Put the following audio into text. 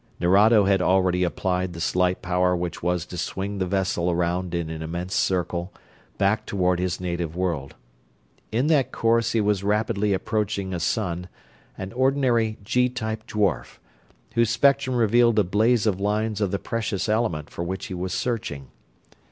Nerado had already applied the slight power which was to swing the vessel around in an immense circle, back toward his native world. In that course he was rapidly approaching a sun, an ordinary G type dwarf, whose spectrum revealed a blaze of lines of the precious element for which he was searching.